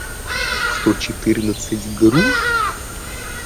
сто четырнадцать груш